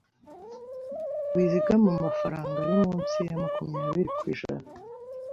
wizigama amafaranga ari munsi ya makumyabiri kw’ijana